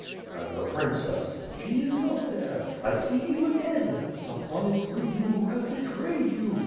^^And the princess?" "She is not there. I see you again. Some one is with you who has betrayed you.